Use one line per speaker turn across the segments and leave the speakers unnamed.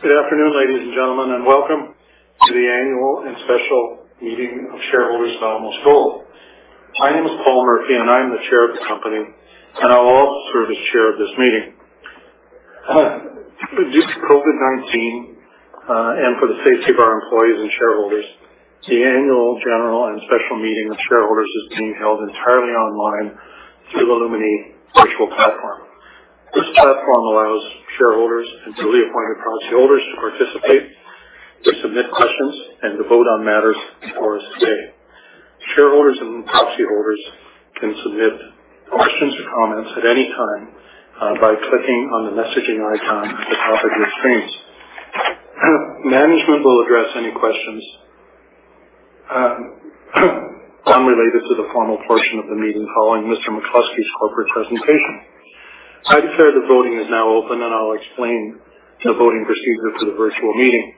Good afternoon, ladies and gentlemen, and welcome to the Annual and Special Meeting of Shareholders of Alamos Gold. My name is Paul Murphy, and I'm the Chair of the company, and I'll also serve as Chair of this meeting. Due to COVID-19, and for the safety of our employees and shareholders, the annual general and special meeting of shareholders is being held entirely online through the Lumi virtual platform. This platform allows shareholders and duly appointed proxy holders to participate, to submit questions, and to vote on matters before us today. Shareholders and proxy holders can submit questions or comments at any time, by clicking on the messaging icon at the top of your screens. Management will address any questions, unrelated to the formal portion of the meeting following Mr. McCluskey's corporate presentation. I declare the voting is now open, and I'll explain the voting procedure for the virtual meeting.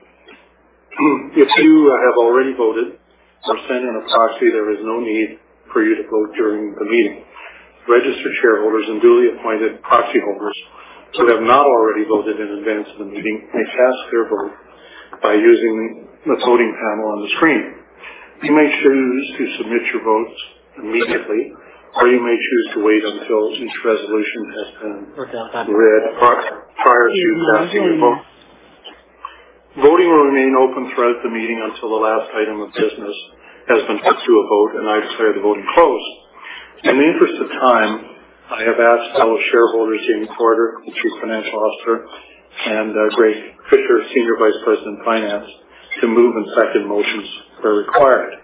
If you have already voted or sent in a proxy, there is no need for you to vote during the meeting. Registered shareholders and duly appointed proxy holders who have not already voted in advance of the meeting may cast their vote by using the voting panel on the screen. You may choose to submit your votes immediately, or you may choose to wait until each resolution has been read prior to casting your vote. Voting will remain open throughout the meeting until the last item of business has been put to a vote, and I declare the voting closed. In the interest of time, I have asked fellow shareholders, Jamie Porter, the Chief Financial Officer, and Greg Fisher, Senior Vice President of Finance, to move and second motions where required.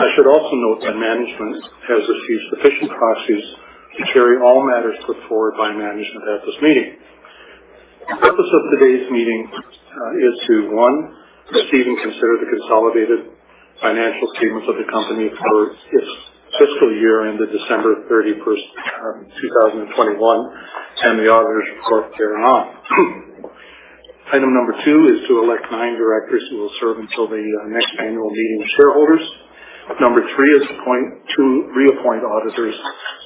I should also note that management has received sufficient proxies to carry all matters put forward by management at this meeting. The purpose of today's meeting is to one, receive and consider the consolidated financial statements of the company for its fiscal year ended December 31, 2021, and the auditor's report thereon. Item number two is to elect 9 directors who will serve until the next annual meeting of shareholders. Number three is to reappoint auditors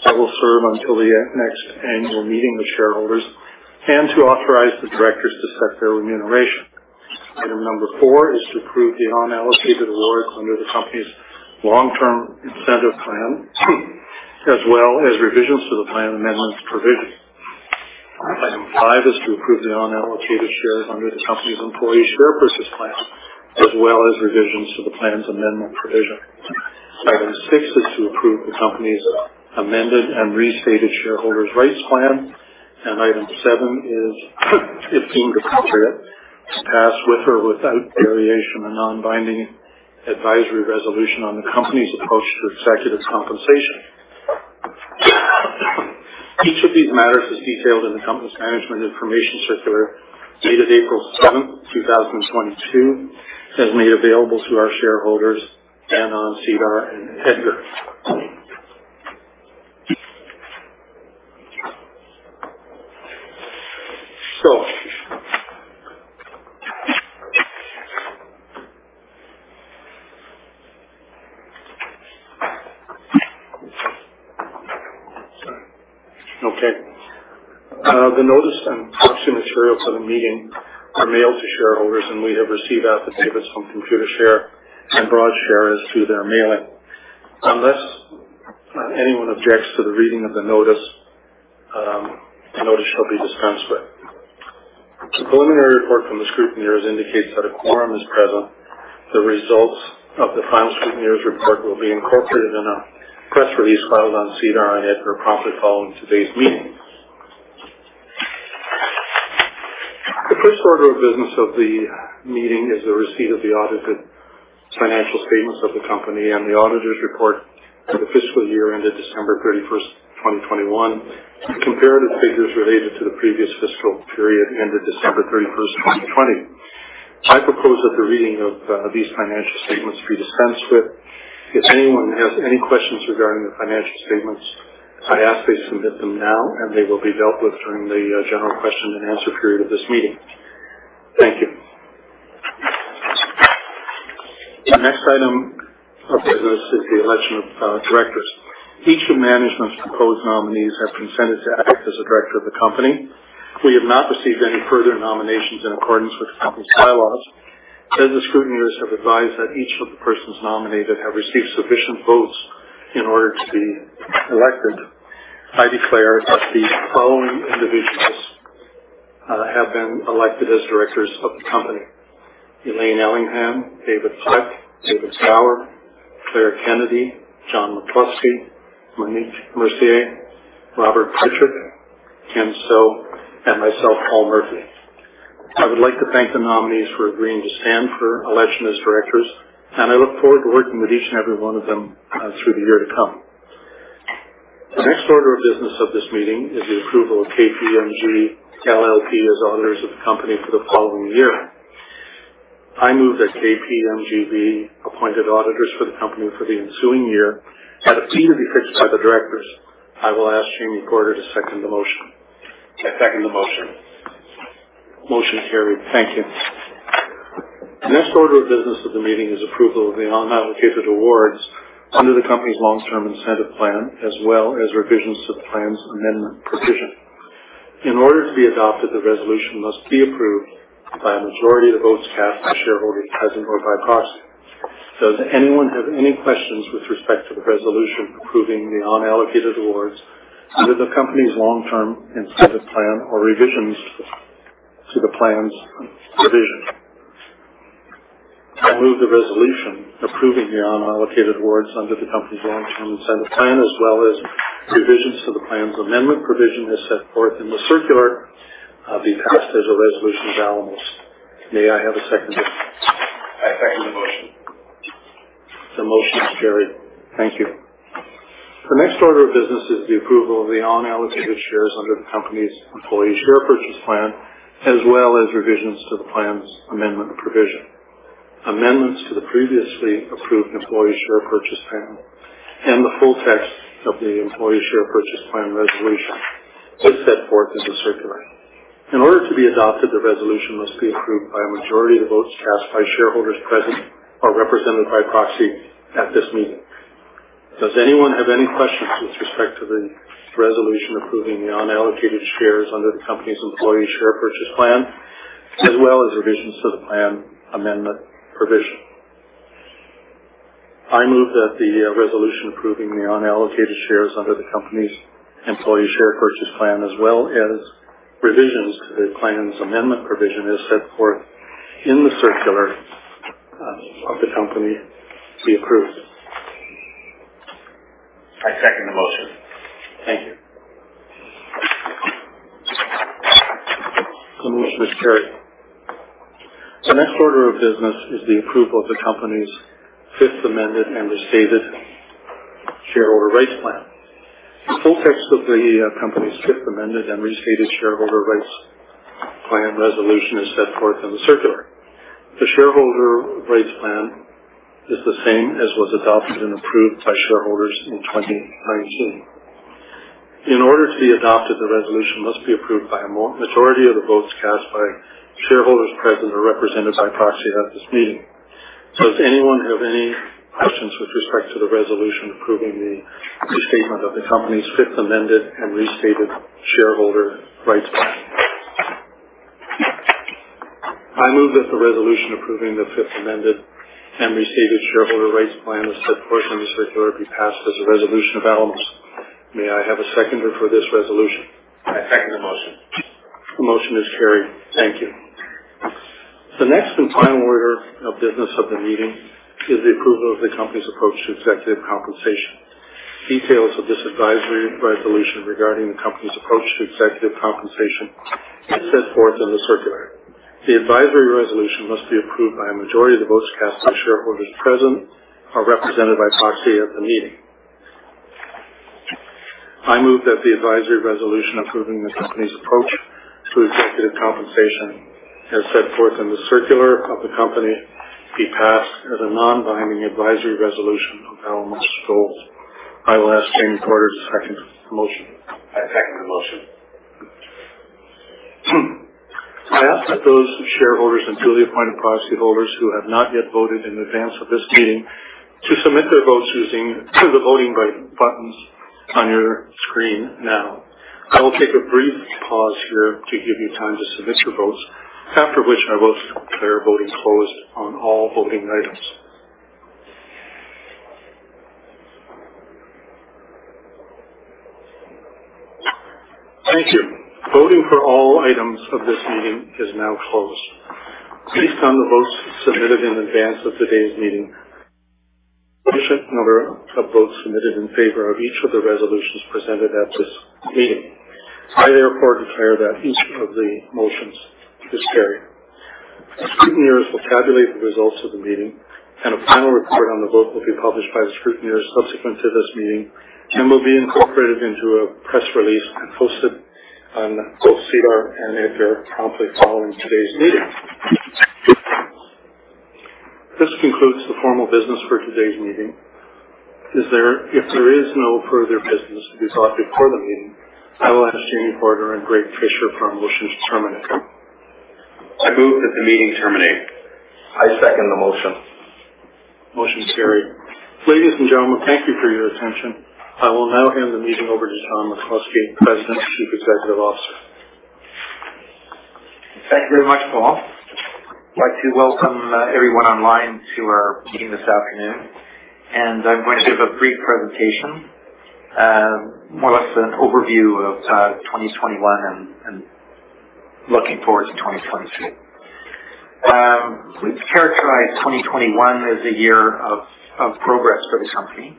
that will serve until the next annual meeting of shareholders, and to authorize the directors to set their remuneration. Item number four is to approve the unallocated awards under the company's Long-Term Incentive Plan, as well as revisions to the plan amendment provision. Item five is to approve the unallocated shares under the company's Employee Share Purchase Plan, as well as revisions to the plan's amendment provision. Item six is to approve the company's amended and restated shareholders' rights plan. Item seven is if deemed appropriate, to pass with or without variation a non-binding advisory resolution on the company's approach to executives' compensation. Each of these matters is detailed in the company's management information circular dated April 7, 2022, as made available to our shareholders and on SEDAR and EDGAR. The notice and proxy materials for the meeting are mailed to shareholders, and we have received affidavits from Computershare and Broadridge as to their mailing. Unless anyone objects to the reading of the notice, the notice shall be dispensed with. The preliminary report from the scrutineers indicates that a quorum is present. The results of the final scrutineers' report will be incorporated in a press release filed on SEDAR and EDGAR promptly following today's meeting. The first order of business of the meeting is the receipt of the audited financial statements of the company and the auditor's report for the fiscal year ended December 31, 2021, and comparative figures related to the previous fiscal period ended December 31, 2020. I propose that the reading of these financial statements be dispensed with. If anyone has any questions regarding the financial statements, I ask they submit them now, and they will be dealt with during the general question and answer period of this meeting. Thank you. The next item of business is the election of directors. Each of management's proposed nominees have consented to act as a director of the company. We have not received any further nominations in accordance with the company's bylaws, and the scrutineers have advised that each of the persons nominated have received sufficient votes in order to be elected. I declare that the following individuals have been elected as directors of the company. Elaine Ellingham, David Fleck, David Gower, Claire Kennedy, John McCluskey, Monique Mercier, J. Robert S. Prichard, Kenneth Stowe, and myself, Paul Murphy. I would like to thank the nominees for agreeing to stand for election as directors, and I look forward to working with each and every one of them through the year to come. The next order of business of this meeting is the approval of KPMG LLP as auditors of the company for the following year. I move that KPMG be appointed auditors for the company for the ensuing year at a fee to be fixed by the directors. I will ask Jamie Porter to second the motion.
I second the motion.
Motion carried. Thank you. The next order of business of the meeting is approval of the unallocated awards under the company's Long-Term Incentive Plan, as well as revisions to the plan's amendment provision. In order to be adopted, the resolution must be approved by a majority of the votes cast by shareholders present or by proxy. Does anyone have any questions with respect to the resolution approving the unallocated awards under the company's Long-Term Incentive Plan or revisions to the plan's provision? I move the resolution approving the unallocated awards under the company's Long-Term Incentive Plan, as well as revisions to the plan's amendment provision as set forth in the circular as a resolution of the meeting. May I have a seconder?
I second the motion.
The motion is carried. Thank you. The next order of business is the approval of the unallocated shares under the company's Employee Share Purchase Plan, as well as revisions to the plan's amendment provision. Amendments to the previously approved Employee Share Purchase Plan and the full text of the Employee Share Purchase Plan resolution is set forth in the circular. In order to be adopted, the resolution must be approved by a majority of the votes cast by shareholders present or represented by proxy at this meeting. Does anyone have any questions with respect to the resolution approving the unallocated shares under the company's Employee Share Purchase Plan, as well as revisions to the plan amendment provision? I move that the resolution approving the unallocated shares under the company's Employee Share Purchase Plan, as well as revisions to the plan's amendment provision, as set forth in the circular of the company be approved.
I second the motion.
Thank you. The motion is carried. The next order of business is the approval of the company's fifth amended and restated shareholder rights plan. The full text of the company's fifth amended and restated shareholder rights plan resolution is set forth in the circular. The shareholder rights plan is the same as was adopted and approved by shareholders in 2019. In order to be adopted, the resolution must be approved by a majority of the votes cast by shareholders present or represented by proxy at this meeting. Does anyone have any questions with respect to the resolution approving the restatement of the company's fifth amended and restated shareholder rights plan? I move that the resolution approving the fifth amended and restated shareholder rights plan, as set forth in the circular, be passed as a resolution of Alamos. May I have a seconder for this resolution?
I second the motion.
The motion is carried. Thank you. The next and final order of business of the meeting is the approval of the company's approach to executive compensation. Details of this advisory resolution regarding the company's approach to executive compensation is set forth in the circular. The advisory resolution must be approved by a majority of the votes cast by shareholders present or represented by proxy at the meeting. I move that the advisory resolution approving the company's approach to executive compensation, as set forth in the circular of the company, be passed as a non-binding advisory resolution of Alamos Gold. I will ask Jamie Porter to second the motion.
I second the motion.
I ask that those shareholders and duly appointed proxy holders who have not yet voted in advance of this meeting to submit their votes using the voting right buttons on your screen now. I will take a brief pause here to give you time to submit your votes, after which I will declare voting closed on all voting items. Thank you. Voting for all items of this meeting is now closed. Based on the votes submitted in advance of today's meeting, a sufficient number of votes submitted in favor of each of the resolutions presented at this meeting, I therefore declare that each of the motions is carried. The scrutineers will tabulate the results of the meeting, and a final report on the vote will be published by the scrutineers subsequent to this meeting and will be incorporated into a press release and posted on both SEDAR and EDGAR promptly following today's meeting. This concludes the formal business for today's meeting. If there is no further business to be brought before the meeting, I will ask Jamie Porter and Greg Fisher for a motion to terminate.
I move that the meeting terminate.
I second the motion.
Motion is carried. Ladies and gentlemen, thank you for your attention. I will now hand the meeting over to John McCluskey, President and Chief Executive Officer.
Thank you very much, Paul. I'd like to welcome everyone online to our meeting this afternoon, and I'm going to give a brief presentation, more or less an overview of 2021 and looking forward to 2022. We've characterized 2021 as a year of progress for the company.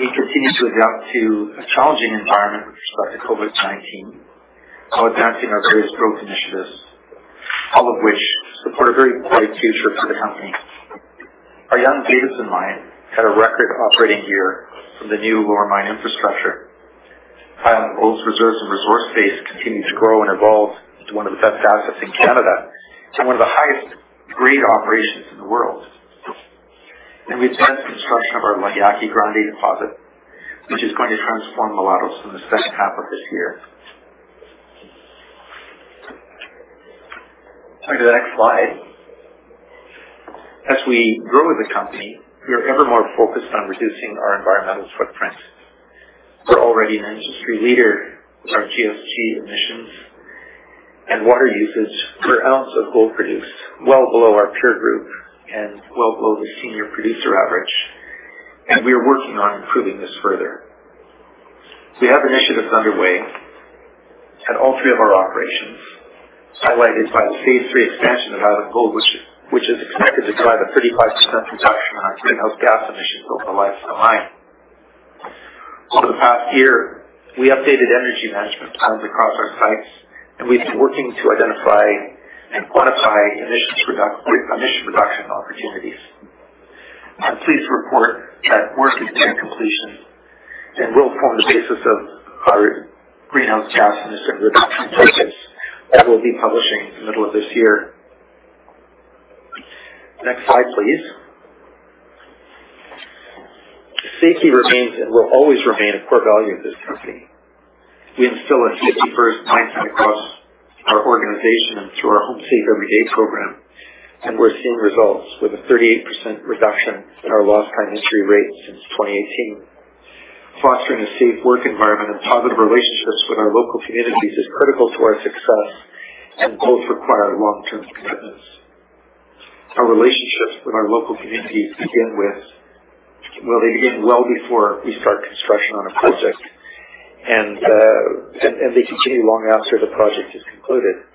We continued to adapt to a challenging environment despite the COVID-19 while advancing our various growth initiatives, all of which support a very bright future for the company. Our Young-Davidson mine had a record operating year from the new lower mine infrastructure. Island Gold reserves and resource base continued to grow and evolve to one of the best assets in Canada to one of the highest grade operations. We've started construction of our La Yaqui Grande deposit, which is going to transform Mulatos in the second half of this year. On to the next slide. As we grow the company, we are ever more focused on reducing our environmental footprint. We're already an industry leader with our GHG emissions and water usage per ounce of gold produced well below our peer group and well below the senior producer average. We are working on improving this further. We have initiatives underway at all three of our operations, highlighted by the phase three expansion of Island Gold, which is expected to drive a 35% reduction in our greenhouse gas emissions over the life of the mine. Over the past year, we updated energy management plans across our sites, and we've been working to identify and quantify emission reduction opportunities. I'm pleased to report that work is near completion and will form the basis of our greenhouse gas emission reduction targets that we'll be publishing in the middle of this year. Next slide, please. Safety remains and will always remain a core value of this company. We instill a safety-first mindset across our organization and through our Home Safe Every Day program, and we're seeing results with a 38% reduction in our lost time injury rate since 2018. Fostering a safe work environment and positive relationships with our local communities is critical to our success and both require long-term commitments. Our relationships with our local communities begin well before we start construction on a project and they continue long after the project is concluded.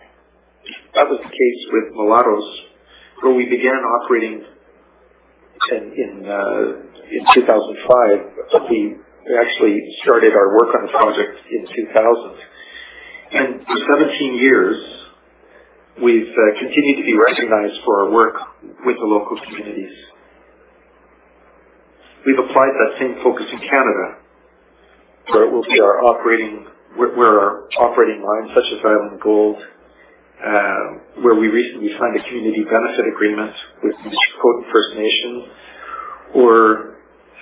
That was the case with Mulatos, where we began operating in 2005. We actually started our work on the project in 2000. For 17 years, we've continued to be recognized for our work with the local communities. We've applied that same focus in Canada, where our operating mines such as Island Gold, where we recently signed a community benefit agreement with the Secwépemc First Nation or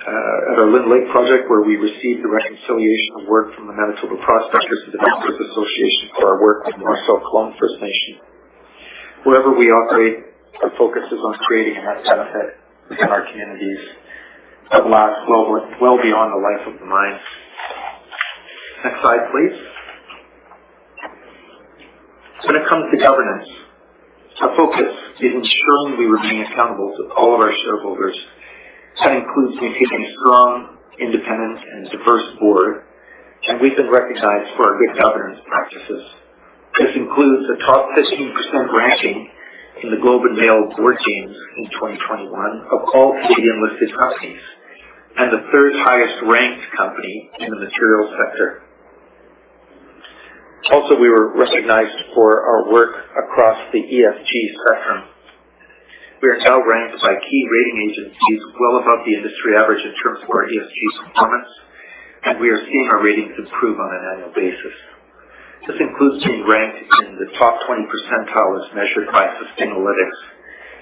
at our Lynn Lake project, where we received a reconciliation award from the Manitoba Prospectors and Developers Association for our work with Marcel Colomb First Nation. Wherever we operate, our focus is on creating a net benefit within our communities that lasts well beyond the life of the mine. Next slide, please. When it comes to governance, our focus is ensuring we remain accountable to all of our shareholders. That includes maintaining a strong, independent, and diverse board, and we've been recognized for our good governance practices. This includes the top 15% ranking in the Globe and Mail Board Games in 2021 of all Canadian-listed companies and the third highest ranked company in the materials sector. Also, we were recognized for our work across the ESG spectrum. We are now ranked by key rating agencies well above the industry average in terms of our ESG performance, and we are seeing our ratings improve on an annual basis. This includes being ranked in the top 20 percentile as measured by Sustainalytics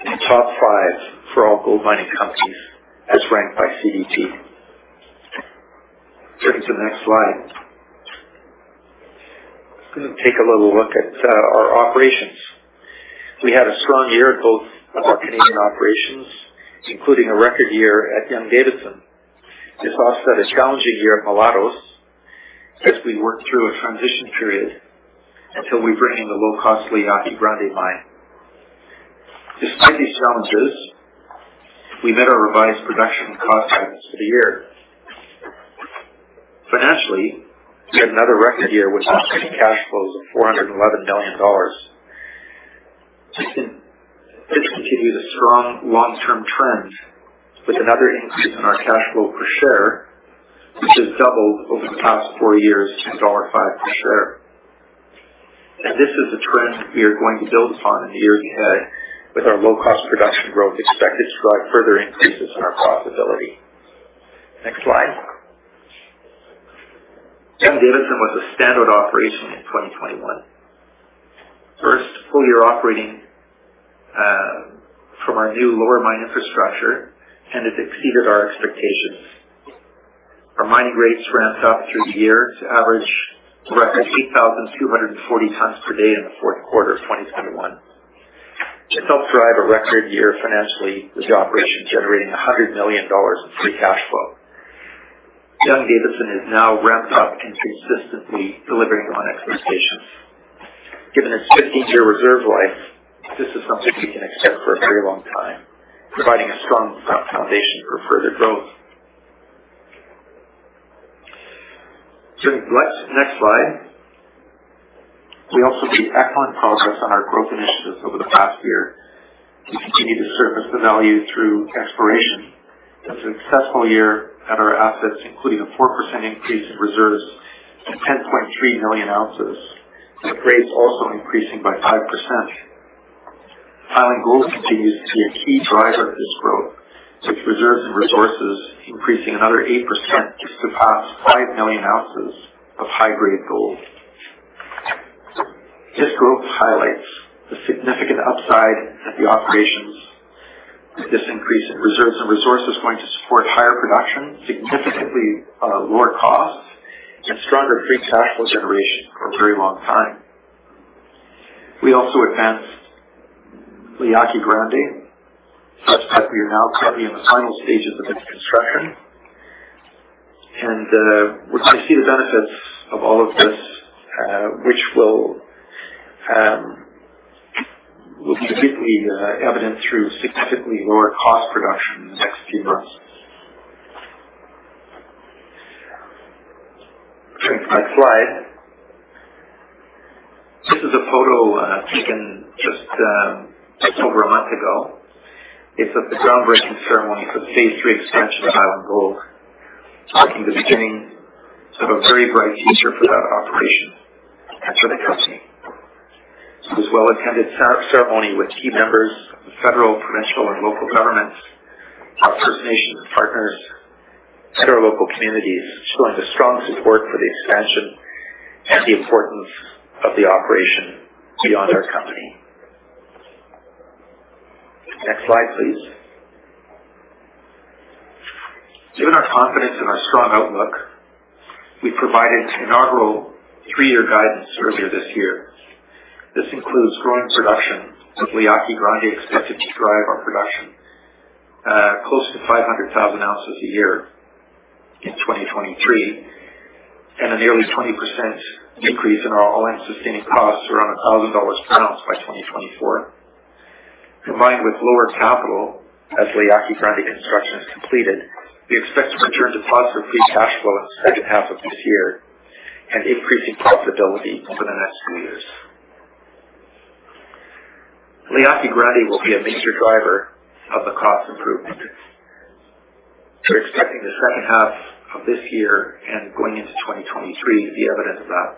and top 5 for all gold mining companies as ranked by CDP. Turning to the next slide. Let's take a little look at our operations. We had a strong year at both of our Canadian operations, including a record year at Young-Davidson. This offset a challenging year at Mulatos as we worked through a transition period until we bring in the low-cost La Yaqui Grande mine. Despite these challenges, we met our revised production and cost guidance for the year. Financially, we had another record year with operating cash flows of $411 million. This continues a strong long-term trend with another increase in our cash flow per share, which has doubled over the past four years to $5 per share. This is a trend we are going to build upon in the year ahead with our low-cost production growth expected to drive further increases in our profitability. Next slide. Young-Davidson was a standout operation in 2021. First full year operating from our new lower mine infrastructure, and it exceeded our expectations. Our mining rates ramped up through the year to average a record 8,240 tons per day in the fourth quarter of 2021. This helped drive a record year financially with the operation generating $100 million in free cash flow. Young-Davidson has now ramped up and is consistently delivering on expectations. Given its 15-year reserve life, this is something we can expect for a very long time, providing a strong foundation for further growth. Turning to the next slide. We also made excellent progress on our growth initiatives over the past year. We continue to surface the value through exploration. A successful year at our assets, including a 4% increase in reserves to 10.3 million ounces, with grades also increasing by 5%. Island Gold continues to be a key driver of this growth, with reserves and resources increasing another 8% just to pass 5 million ounces of high-grade gold. This growth highlights the significant upside of the operations with this increase in reserves and resources going to support higher production, significantly lower costs and stronger free cash flow generation for a very long time. We also advanced La Yaqui Grande such that we are now currently in the final stages of its construction. We're going to see the benefits of all of this, which will be significantly evident through significantly lower cost production in the next few months. Turning to my slide. This is a photo taken just over a month ago. It was at the groundbreaking ceremony for the phase three expansion of Island Gold, marking the beginning of a very bright future for that operation and for the company. It was a well-attended ceremony with key members of the federal, provincial and local governments, First Nation partners and our local communities, showing the strong support for the expansion and the importance of the operation beyond our company. Next slide, please. Given our confidence in our strong outlook, we provided inaugural 3-year guidance earlier this year. This includes growing production, with La Yaqui Grande expected to drive our production close to 500,000 ounces a year in 2023, and a nearly 20% decrease in our all-in sustaining costs, around $1,000 per ounce by 2024. Combined with lower capital as La Yaqui Grande construction is completed, we expect to return to positive free cash flow in the second half of this year and increasing profitability over the next few years. La Yaqui Grande will be a major driver of the cost improvement. We're expecting the second half of this year and going into 2023 to be evidence of that.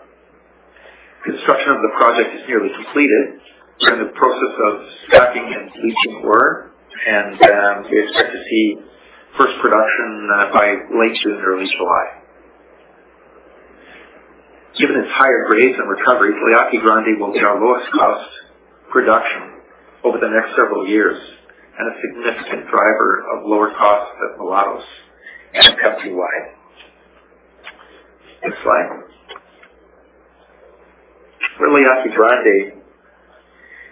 Construction of the project is nearly completed. We're in the process of stacking and leaching ore, and we expect to see first production by late June or early July. Given its higher grades and recoveries, La Yaqui Grande will be our lowest cost production over the next several years and a significant driver of lower costs at Mulatos and company-wide. Next slide. While La Yaqui Grande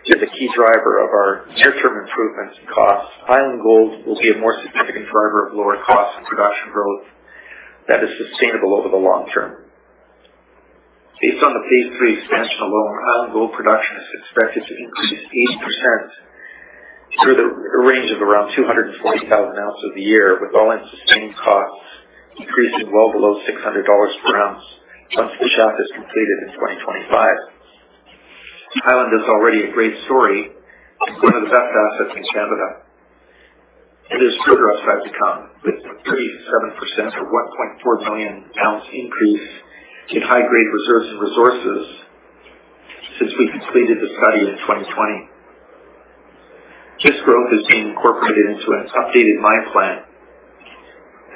is a key driver of our near-term improvements in costs, Island Gold will be a more significant driver of lower costs and production growth that is sustainable over the long term. Based on the Phase 3 expansion alone, Island Gold production is expected to increase 80% through the range of around 240,000 ounces a year, with all-in sustaining costs decreasing well below $600 per ounce once the shaft is completed in 2025. Island Gold is already a great story and one of the best assets in Canada. There's further upside to come, with a 37% or 1.4 million ounce increase in high-grade reserves and resources since we completed the study in 2020. This growth is being incorporated into an updated mine plan,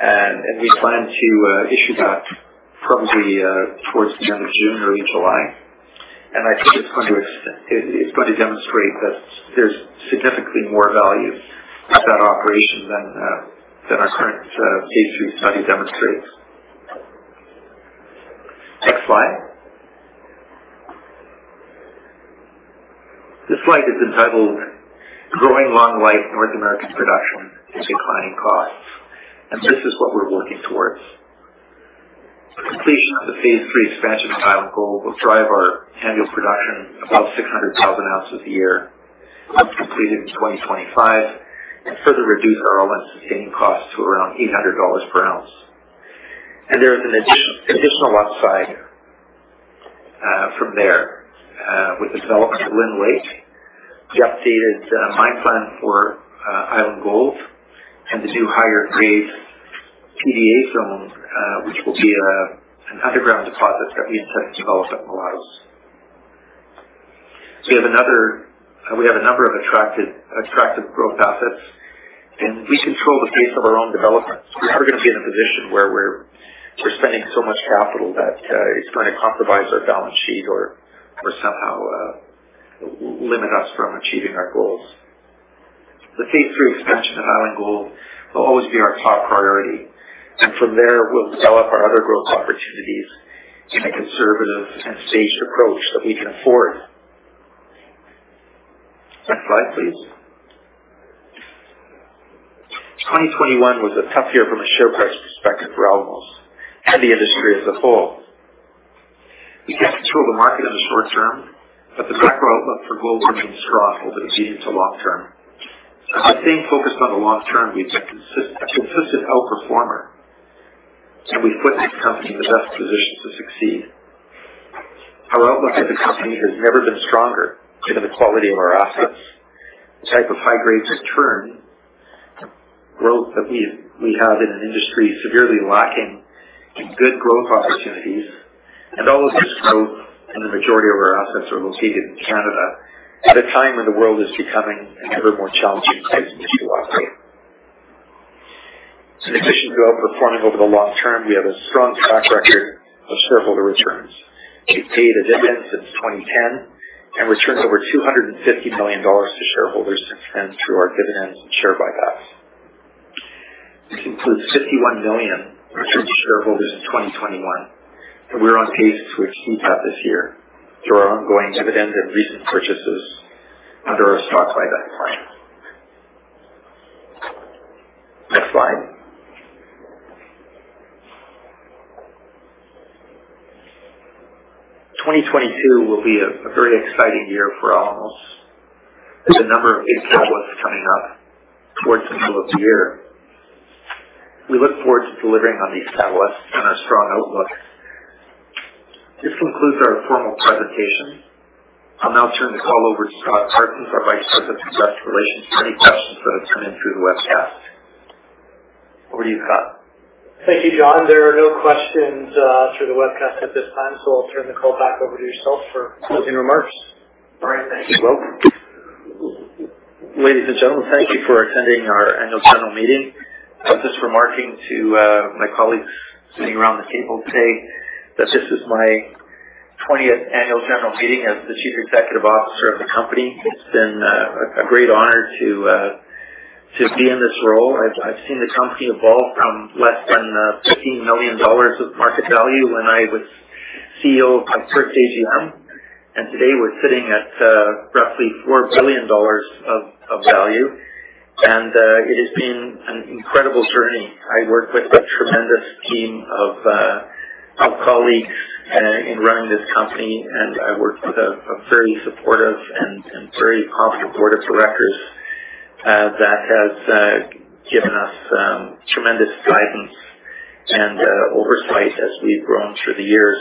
and we plan to issue that probably towards the end of June or early July. I think it's going to demonstrate that there's significantly more value of that operation than our current phase three study demonstrates. Next slide. This slide is entitled Growing Long Life North American Production is Declining Costs. This is what we're working towards. The completion of the phase three expansion of Highland Gold will drive our annual production above 600,000 ounces a year once completed in 2025 and further reduce our all-in sustaining costs to around $800 per ounce. There is an additional upside from there with the development of Lynn Lake, the updated mine plan for Highland Gold and the new higher grade PDA zone, which will be an underground deposit that we intend to develop at Mulatos. We have a number of attractive growth assets, and we control the pace of our own development. We're never gonna be in a position where we're spending so much capital that it's going to compromise our balance sheet or somehow limit us from achieving our goals. The phase three expansion of Island Gold will always be our top priority, and from there, we'll develop our other growth opportunities in a conservative and staged approach that we can afford. Next slide, please. 2021 was a tough year from a share price perspective for Alamos and the industry as a whole. We can't control the market in the short term, but the macro outlook for gold remains strong over the medium to long term. By staying focused on the long term, we've been a consistent outperformer, and we've put this company in the best position to succeed. Our outlook for the company has never been stronger given the quality of our assets, the type of high-grade returns, the growth that we have in an industry severely lacking in good growth opportunities. All of this growth and the majority of our assets are located in Canada at a time when the world is becoming an ever more challenging place to do business. In addition to outperforming over the long term, we have a strong track record of shareholder returns. We've paid a dividend since 2010 and returned over $250 million to shareholders since then through our dividends and share buybacks. This includes $51 million returned to shareholders in 2021, and we're on pace to achieve that this year through our ongoing dividend and recent purchases under our stock buyback plan. Next slide. 2022 will be a very exciting year for Alamos. There's a number of these catalysts coming up towards the middle of the year. We look forward to delivering on these catalysts and our strong outlook. This concludes our formal presentation. I'll now turn the call over to Scott Parsons, our Vice President of Investor Relations, for any questions that have come in through the webcast. Over to you, Scott.
Thank you, John. There are no questions through the webcast at this time, so I'll turn the call back over to yourself for closing remarks.
All right. Thank you, Scott. Ladies and gentlemen, thank you for attending our annual general meeting. I was just remarking to my colleagues sitting around the table today that this is my 20th annual general meeting as the Chief Executive Officer of the company. It's been a great honor to be in this role. I've seen the company evolve from less than $15 million of market value when I was CEO of First AGM, and today we're sitting at roughly $4 billion of value. It has been an incredible journey. I work with a tremendous team of colleagues in running this company. I work with a very supportive and very competent board of directors that has given us tremendous guidance and oversight as we've grown through the years.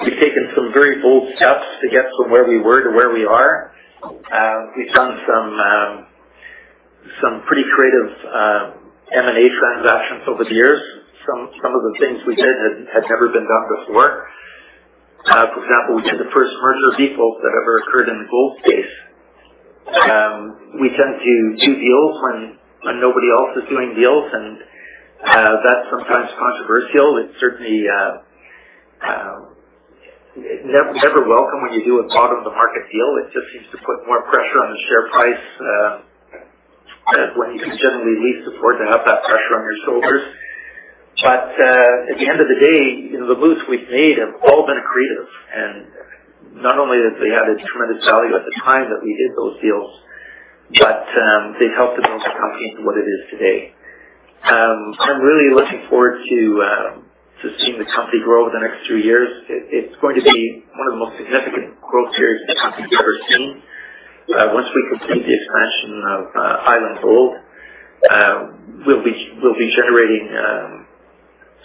We've taken some very bold steps to get from where we were to where we are. We've done some pretty creative M&A transactions over the years. Some of the things we did had never been done before. For example, we did the first merger of equals that ever occurred in the gold space. We tend to do deals when nobody else is doing deals, and that's sometimes controversial. It's certainly never welcome when you do a bottom of the market deal. It just seems to put more pressure on the share price, when you can generally need support to have that pressure on your shoulders. At the end of the day, you know, the moves we've made have all been creative. Not only did they have a tremendous value at the time that we did those deals, but they've helped to build the company into what it is today. I'm really looking forward to seeing the company grow over the next three years. It's going to be one of the most significant growth periods the company's ever seen. Once we complete the expansion of Island Gold, we'll be generating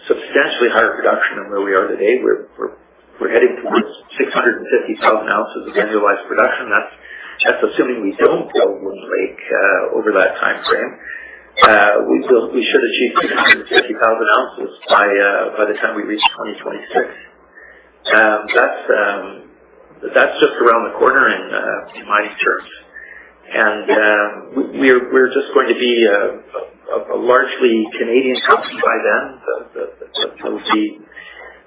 substantially higher production than where we are today. We're heading towards 650,000 ounces of annualized production. That's assuming we don't build Lynn Lake over that timeframe. We should achieve 350,000 ounces by the time we reach 2026. That's just around the corner in mining terms. We're just going to be a largely Canadian company by then. It will be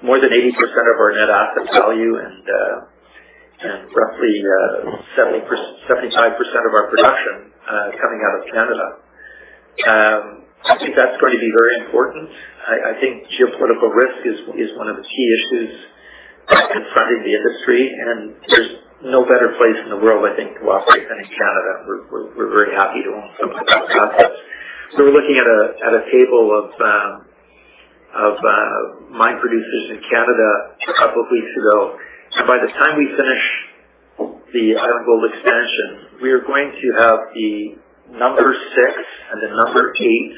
more than 80% of our net asset value and roughly 75% of our production coming out of Canada. I think that's going to be very important. I think geopolitical risk is one of the key issues confronting the industry, and there's no better place in the world, I think, to operate than in Canada. We're very happy to own some of the best assets. We were looking at a table of mine producers in Canada a couple of weeks ago. By the time we finish the Island Gold expansion, we are going to have the number six and the number eight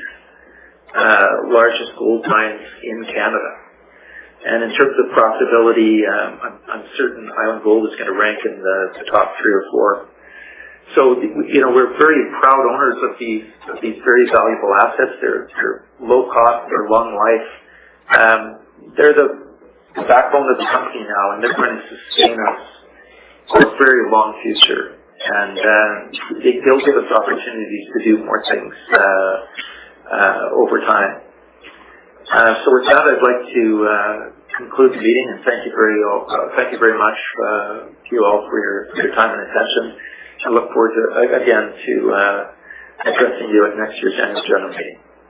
largest gold mines in Canada. In terms of profitability, I'm certain Island Gold is gonna rank in the top three or four. You know, we're very proud owners of these very valuable assets. They're low cost. They're long life. They're the backbone of the company now, and they're gonna sustain us for a very long future. They'll give us opportunities to do more things over time. With that, I'd like to conclude the meeting, and thank you very much. Thank you very much to you all for your time and attention. I look forward to again addressing you at next year's annual general meeting.